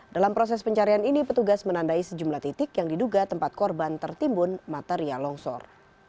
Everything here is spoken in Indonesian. dalam proses pencarian ini petugas menandai sejumlah titik yang diduga tempat korban tertimbun material longsor